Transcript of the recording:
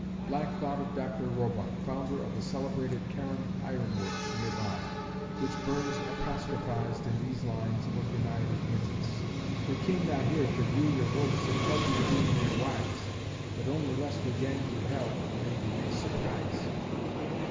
Black thought of Dr. Roebuck, founder of the celebrated Carron Iron Works near by, which Burns apostrophised in these lines, when denied admittance: "We cam na here to view your works In hopes to be mair wise, But only lest we gang to hell It may be nae surprise."